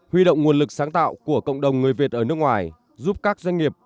huy động nguồn lực sáng tạo của cộng đồng người việt ở nước ngoài giúp các doanh nghiệp